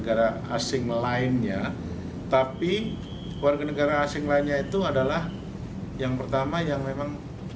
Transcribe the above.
atau berhubungan keluarga dengan warga negara tiongkok